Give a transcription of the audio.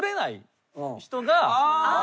ああ。